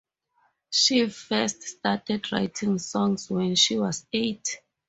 She first started writing songs when she was eight.